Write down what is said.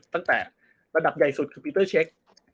ตั้งแต่ระดับใหญ่สุดคือปีเตอร์เช็ค